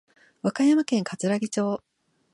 和歌山県かつらぎ町